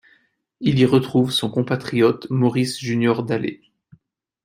Il y retrouve son compatriote Maurice-Junior Dalé.